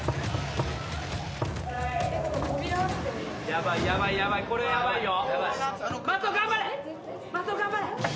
ヤバいヤバいヤバいこれヤバいよ。